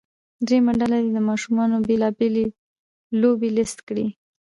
دریمه ډله دې د ماشومانو بیلا بېلې لوبې لیست کړي.